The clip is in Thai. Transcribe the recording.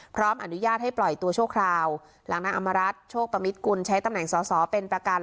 พร้อมอนุญาตให้ปล่อยตัวชั่วคราวหลังนายอมรัฐโชคปมิตกุลใช้ตำแหน่งสอสอเป็นประกัน